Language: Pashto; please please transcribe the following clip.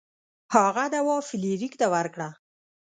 هغه دوا فلیریک ته ورکړه.